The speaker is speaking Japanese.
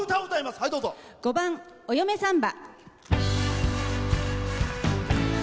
５番「お嫁サンバ」。